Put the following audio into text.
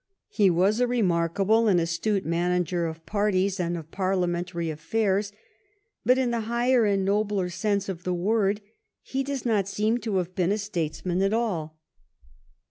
He was a remarkable and astute manager of parties and of parliamentary affairs, but in the higher and nobler sense of the word he does not seem to have been a statesman at all.